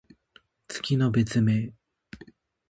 月の別名。